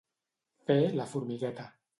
Fer la formigueta.